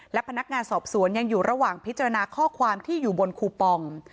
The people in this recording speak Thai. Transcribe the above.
และพนักงานสอบสวนยังอยู่ระหว่างพิจารณาข้อความที่อยู่บนคูปอง